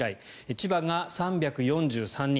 千葉が３４３人。